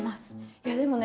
いやでもね